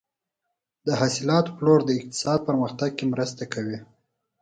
د حاصلاتو پلور د اقتصاد پرمختګ کې مرسته کوي.